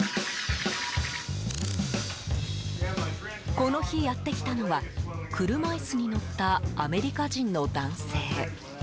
この日、やってきたのは車椅子に乗ったアメリカ人の男性。